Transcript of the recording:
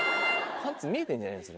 パンツ見えてんじゃないのそれ。